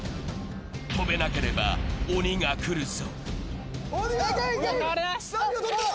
飛べなければ鬼が来るぞ！